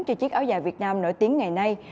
cho chiếc áo dài việt nam nổi tiếng ngày nay